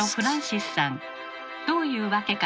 どういうわけか